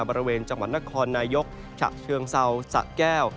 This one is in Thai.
บริเวณจังหวัดนครนายกฉะเชิงเซาสะแก้ว